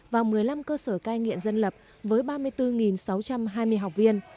và một mươi năm cơ sở cai nghiện dân lập với ba mươi bốn sáu trăm hai mươi học viên